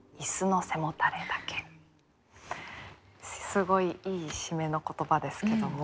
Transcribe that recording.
すごいいい締めの言葉ですけども。